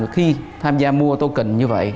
khi tham gia mua token như vậy